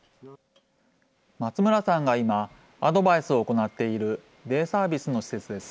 松村さんが今、アドバイスを行っているデイサービスの施設です。